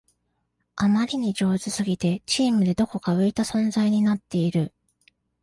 あまりに上手すぎてチームでどこか浮いた存在になっている